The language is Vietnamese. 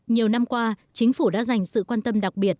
nhiều năm qua chính phủ đã dành sự quan tâm đặc biệt